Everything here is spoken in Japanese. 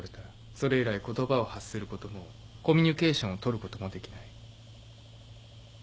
それ以来言葉を発することもコミュニケーションをとることもできない。